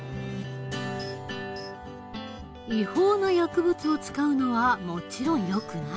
違法な薬物を使うのはもちろんよくない。